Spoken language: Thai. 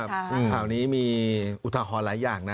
ข่าวนี้มีอุทหรณ์หลายอย่างนะ